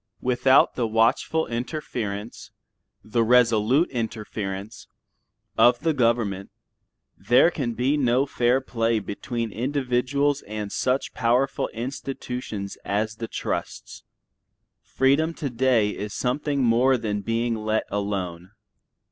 Without the watchful interference, the resolute interference, of the government, there can be no fair play between individuals and such powerful institutions as the trusts. Freedom to day is something more than being let alone.